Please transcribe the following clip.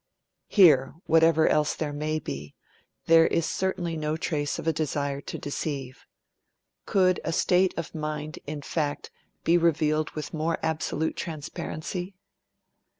Here, whatever else there may be, there is certainly no trace of a desire to deceive. Could a state of mind, in fact, be revealed with more absolute transparency?